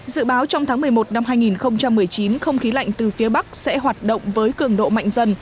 dự báo trong tháng một mươi một năm hai nghìn một mươi chín không khí lạnh từ phía bắc sẽ hoạt động với cường độ mạnh dần